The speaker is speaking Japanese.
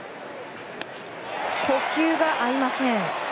呼吸が合いません。